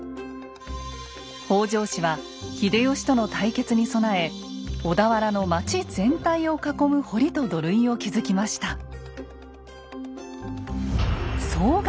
北条氏は秀吉との対決に備え小田原の町全体を囲む堀と土塁を築きました。